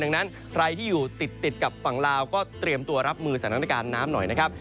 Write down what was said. ดังนั้นใครที่อยู่ติดกับฝั่งลาวก็เตรียมตัวรับมือสถานการณ์น้ำหน่อยนะครับ